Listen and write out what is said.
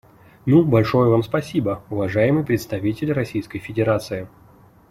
Ну, большое Вам спасибо, уважаемый представитель Российской Федерации.